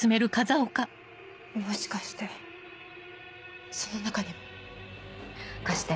もしかしてその中にも？貸して。